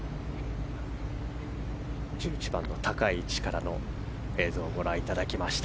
１１番の高い位置からの映像をご覧いただきました。